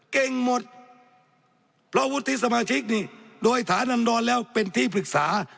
เก่งหมดเพราะวุฒิสมาชิกนี่โดยฐานอันดรแล้วเป็นที่ปรึกษา